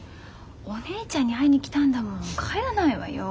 お姉ちゃんに会いに来たんだもん帰らないわよ。